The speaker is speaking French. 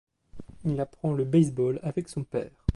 Il apprend le baseball avec son père.